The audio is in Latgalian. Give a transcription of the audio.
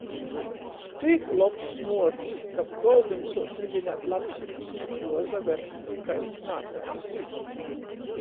Tik lobs smuords, ka ap goldim suoc lidinēt lapsinis, juosaver, kab kaidys naapēst.